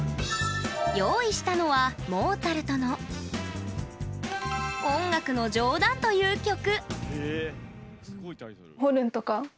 用意したのは、モーツァルトの「音楽の冗談」という曲。